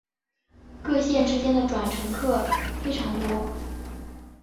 各线之间的转乘客非常多。